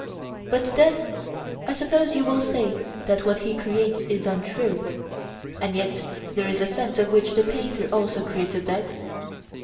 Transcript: But then I suppose you will say that what he creates is untrue. And yet there is a sense in which the painter also creates a bed?